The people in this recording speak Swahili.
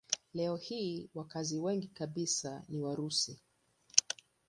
Leo hii wakazi wengi kabisa ni Warusi.